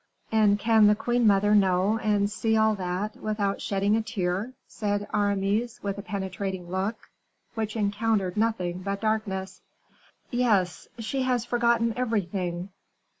"And can the queen mother know and see all that, without shedding a tear?" said Aramis, with a penetrating look, which encountered nothing but darkness. "Yes. She has forgotten everything."